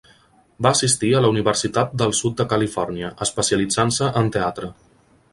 Va assistir a la Universitat del Sud de Califòrnia, especialitzant-se en teatre.